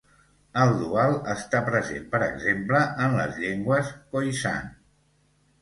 El dual està present per exemple en les llengües Khoisan.